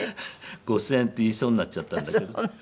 「５０００円」って言いそうになっちゃったんだけど。